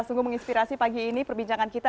sungguh menginspirasi pagi ini perbincangan kita